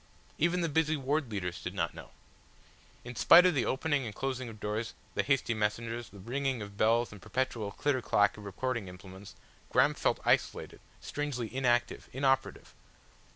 Even the busy ward leaders did not know. In spite of the opening and closing of doors, the hasty messengers, the ringing of bells and the perpetual clitter clack of recording implements, Graham felt isolated, strangely inactive, inoperative.